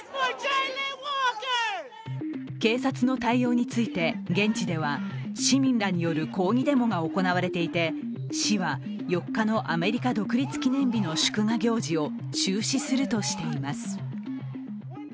警察の対応について現地では、市民らによる抗議デモが行われていて市は４日のアメリカ独立記念日の祝賀行事を中止するとしています。